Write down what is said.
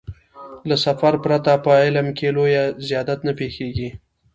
له سفر پرته په علم کې لويه زيادت نه پېښېږي.